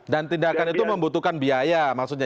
dan tindakan itu membutuhkan biaya maksudnya